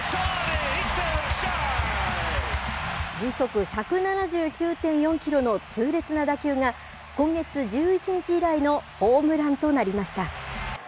時速１７９．４キロの痛烈な打球が、今月１１日以来のホームランとなりました。